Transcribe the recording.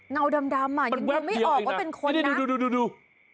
เงาดำอ่ะยังไม่ออกว่าเป็นคนนะมันแว๊บเดียวเองนะนี่ดู